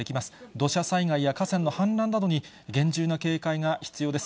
土砂災害や河川の氾濫などに厳重な警戒が必要です。